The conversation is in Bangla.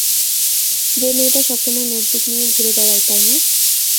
যে মেয়েটা সবসময় নোটবুক নিয়ে ঘুরে বেড়ায়, তাই না?